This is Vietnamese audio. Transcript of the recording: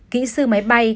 kỹ sư máy bay